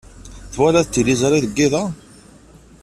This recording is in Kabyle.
Twalaḍ tiliẓri deg yiḍ-a?